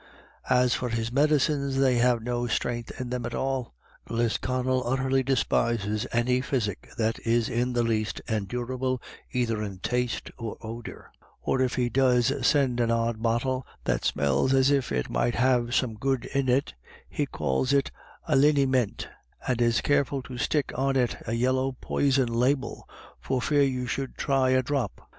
As for his medicines, they have no strength in them at all — Lisconn utterly despises any physic that is in the least endurable either in taste or odour — or if he does send an odd bottle that smells as if it might have some good in it, he calls it a Linyeement, and is careful to stick on a yellow poison label, for fear you should try a drop.